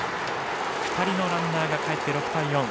２人のランナーがかえって６対４。